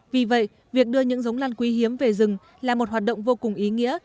vì vậy việc đưa những giống lan quý hiếm về rừng là một hoạt động vô cùng ý nghĩa